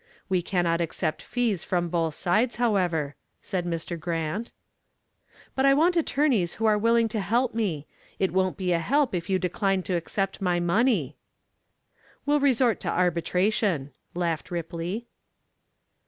We cannot accept fees from both sides, however," said Mr. Grant. "But I want attorneys who are willing to help me. It won't be a help if you decline to accept my money." "We'll resort to arbitration," laughed Ripley.